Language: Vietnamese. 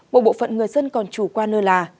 một bộ phận người dân còn chủ quan lơ là